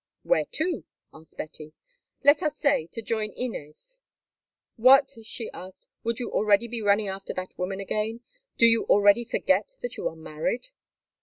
"Where to?" asked Betty. "Let us say, to join Inez." "What," she asked, "would you already be running after that woman again? Do you already forget that you are married?"